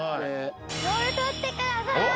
ボール取ってください。